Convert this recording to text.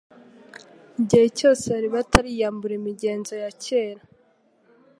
Igihe cyose bari batariyambura imigenzo ya kera,